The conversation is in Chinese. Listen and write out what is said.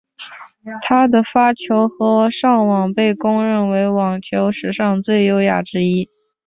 他的发球和上网被公认为网球史上最优雅之一。